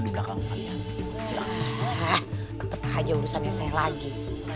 di belakangnya tetap aja urusannya saya lagi